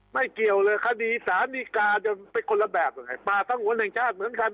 ไม่เกี่ยวเลยคดีศาลนิกาจะเป็นคนละแบบป่าทั้งหวันแห่งชาติเหมือนกัน